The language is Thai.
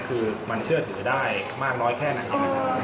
คือมันเชื่อถือได้มากน้อยแค่ไหน